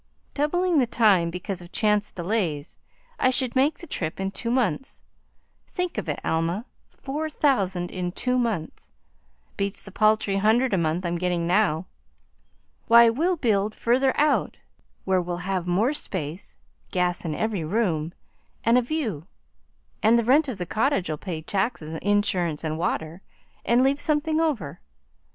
"Doubling the time because of chance delays, I should make the trip in two months. Think of it, Alma! Four thousand in two months! Beats the paltry hundred a month I'm getting now. Why, we'll build further out where we'll have more space, gas in every room, and a view, and the rent of the cottage'll pay taxes, insurance, and water, and leave something over.